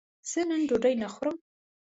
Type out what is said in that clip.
زه نن ډوډی نه خورم